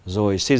rồi xây dựng